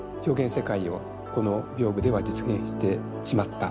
世界をこの屏風では実現してしまった。